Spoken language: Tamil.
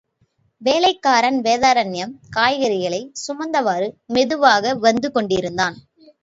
வேலைக்காரன் வேதாரண்யம் காய்கறிகளைச் சுமந்தவாறு மெதுவாக வந்து கொண்டிருந்தான்.